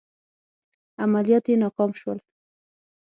عملیات یې ناکام شول.